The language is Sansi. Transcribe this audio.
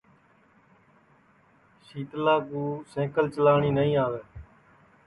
شیتلا کُو سئکل چلاٹی نائی آوے